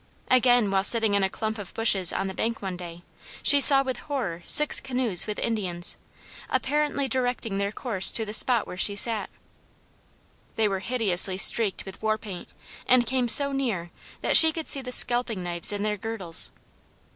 Again, while sitting in a clump of bushes on the bank one day, she saw with horror six canoes with Indians, apparently directing their course to the spot where she sat. They were hideously streaked with war paint, and came so near that she could see the scalping knives in their girdles.